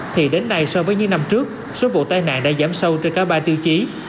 thì đến nay so với những năm trước số vụ tai nạn đã giảm sâu trên cả ba tiêu chí